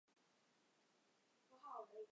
氢化电子偶素是奇异化合物的一个例子。